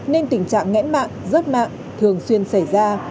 nên tình trạng nghẽn mạng rớt mạng thường xuyên xảy ra